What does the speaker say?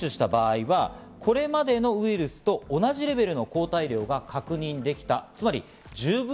３回接種した場合は、これまでのウイルスと同じレベルの抗体量が確認できた。